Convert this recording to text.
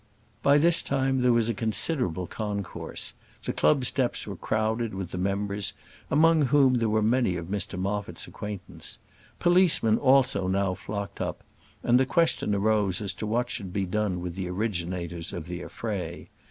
By this time there was a considerable concourse. The club steps were crowded with the members; among whom there were many of Mr Moffat's acquaintance. Policemen also now flocked up, and the question arose as to what should be done with the originators of the affray.